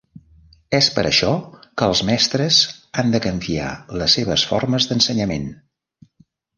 És per això que els mestres han de canviar les seves formes d'ensenyament.